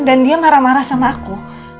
dan dia marah marah sama aku